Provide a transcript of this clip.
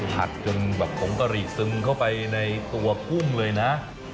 ผัดจนแบบผงกะหรี่ซึงเข้าไปในตัวกุ้งเลยนะ